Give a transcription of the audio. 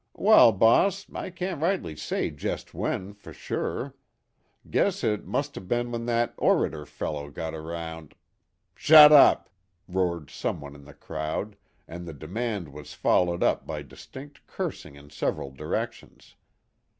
"Wal, boss, I can't rightly say jest when, fer sure. Guess it must ha' bin when that orator feller got around " "Shut up!" roared some one in the crowd, and the demand was followed up by distinct cursing in several directions.